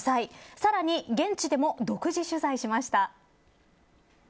さらに現地でも独自取材しました。